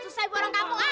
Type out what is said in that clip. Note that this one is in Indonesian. susah ibu orang kampung ah